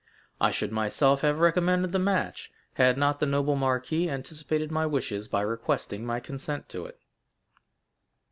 I should myself have recommended the match, had not the noble marquis anticipated my wishes by requesting my consent to it.